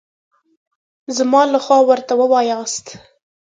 زما له خوا ورته ووایاست.